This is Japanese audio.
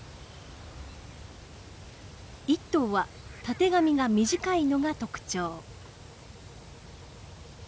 １頭はたてがみが短いのが特徴。